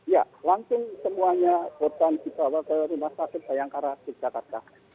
ya langsung semuanya ke rumah sakit bayangkara yogyakarta